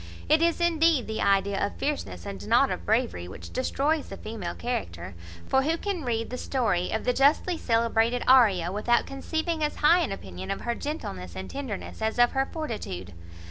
It is, indeed, the idea of fierceness, and not of bravery, which destroys the female character; for who can read the story of the justly celebrated Arria without conceiving as high an opinion of her gentleness and tenderness as of her fortitude?